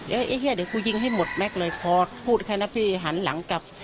ไอ้เฮียเดี๋ยวกูยิงให้หมดแม็กซ์เลยพอพูดแค่นั้นพี่หันหลังกลับ